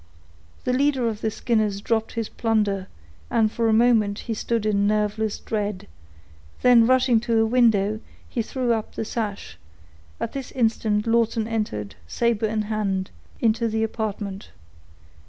The leader of the Skinners dropped his plunder, and, for a moment, he stood in nerveless dread; then rushing to a window, he threw up the sash; at this instant Lawton entered, saber in hand, into the apartment.